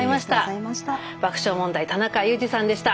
爆笑問題田中裕二さんでした。